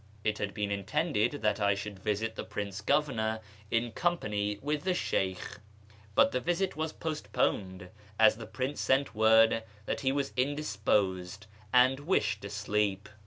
It had been intended that I should visit the Prince Governor in company with the Sheykh, but the visit was postponed, as the Prince sent word that he was indisposed, and wished to sleep.